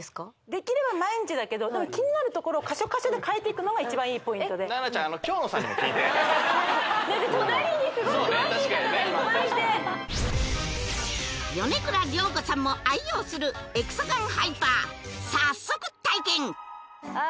できれば毎日だけど気になるところ箇所箇所で変えていくのが一番いいポイントで奈々ちゃんあの隣にすごい詳しい方がいっぱいいて米倉涼子さんも愛用するエクサガンハイパー早速体験え